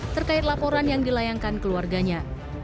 terkait laporan yang dilayangkan keluarganya